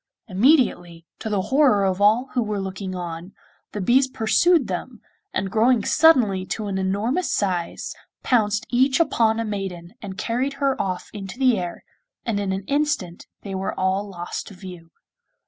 Immediately, to the horror of all who were looking on, the bees pursued them, and, growing suddenly to an enormous size, pounced each upon a maiden and carried her off into the air, and in an instant they were all lost to view.